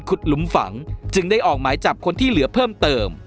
หลุมฝังจึงได้ออกหมายจับคนที่เหลือเพิ่มเติม